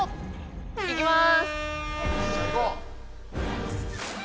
行きます！